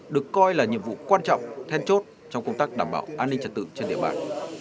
được coi là nhiệm vụ quan trọng then chốt trong công tác đảm bảo an ninh trật tự trên địa bàn